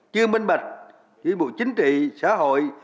chưa minh bạch dịch vụ chính trị xã hội